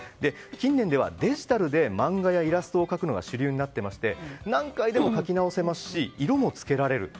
近年ではデジタルで漫画やイラストを描くのが主流になっていまして何回でも描き直せますし色も付けられる。